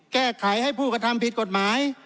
แก้ไขให้ผู้กระทำผิดกฎหมาย